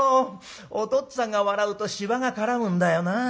おとっつぁんが笑うとしわが絡むんだよなあ。